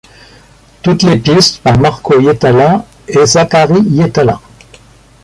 Toutes les pistes par Marco Hietala & Zachary Hietala.